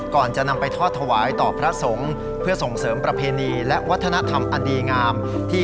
ก่อนจะนำไปทอดถวายต่อพระสงฆ์เพื่อส่งเสริมประเพณีและวัฒนธรรมอดีงามที่